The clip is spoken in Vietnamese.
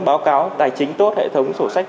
báo cáo tài chính tốt hệ thống sổ sách